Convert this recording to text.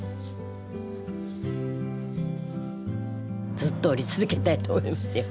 ずっと織り続けたいと思いますよ